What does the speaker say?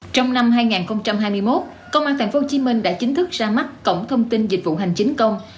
trong năm hai nghìn hai mươi một công an tp hcm đã chính thức ra mắt cổng thông tin dịch vụ hành chính công